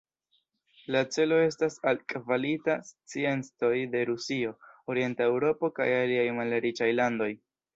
La celo estas altkvalitaj sciencistoj de Rusio, orienta Eŭropo kaj aliaj malriĉaj landoj.